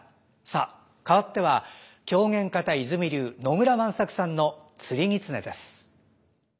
さあかわっては狂言方和泉流野村万作さんの「釣狐」です。